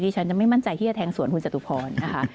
ที่ฉันจะไม่มั่นใจที่จะแทงสวนคุณจตุภรณ์นะคะ